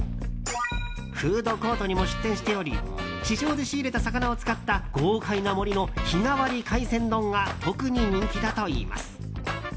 フードコートにも出店しており市場で仕入れた魚を使った豪快な盛りの日替わり海鮮丼が特に人気だといいます。